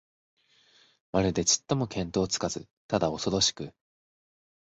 まるでちっとも見当つかず、ただおそろしく、